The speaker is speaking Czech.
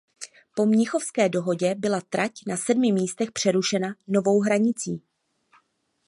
Po Mnichovské dohodě byla trať na sedmi místech přerušena novou hranicí.